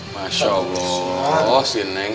masya allah sih neng